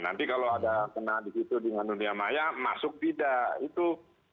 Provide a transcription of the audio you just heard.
nanti kalau ada kena di situ dengan dunia maya masuk tidak itu